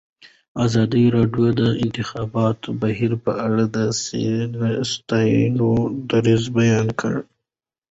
ازادي راډیو د د انتخاباتو بهیر په اړه د سیاستوالو دریځ بیان کړی.